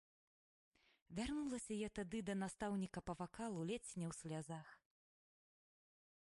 Вярнулася я тады да настаўніка па вакалу ледзь не ў слязах.